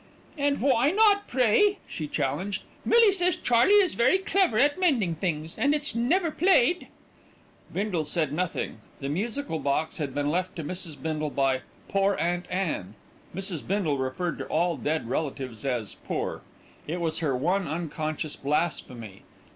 "And why not, pray?" she challenged. "Millie says Charley is very clever at mending things, and it's never played." Bindle said nothing. The musical box had been left to Mrs. Bindle by "poor Aunt Anne" Mrs. Bindle referred to all dead relatives as "poor"; it was her one unconscious blasphemy.